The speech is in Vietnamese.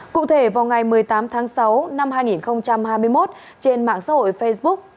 cụ thể vào ngày một mươi tám tháng sáu năm hai nghìn hai mươi một trên mạng xã hội facebook